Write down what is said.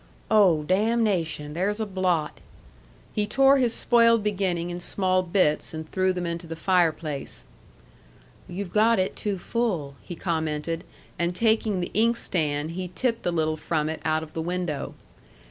"Oh, damnation, there's a blot!" He tore his spoiled beginning in small bits, and threw them into the fireplace. "You've got it too full," he commented; and taking the inkstand, he tipped a little from it out of the window.